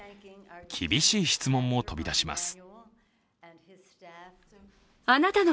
厳しい質問も飛び出します。